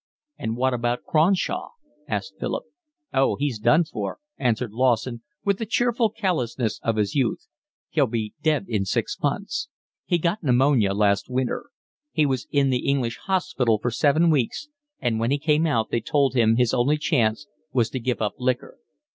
"And what about Cronshaw?" asked Philip. "Oh, he's done for," answered Lawson, with the cheerful callousness of his youth. "He'll be dead in six months. He got pneumonia last winter. He was in the English hospital for seven weeks, and when he came out they told him his only chance was to give up liquor."